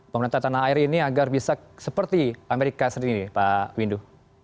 pemerintah tanah air ini agar bisa seperti amerika sendiri pak windu